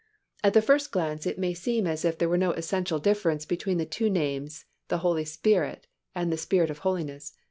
At the first glance it may seem as if there were no essential difference between the two names the Holy Spirit and the Spirit of holiness.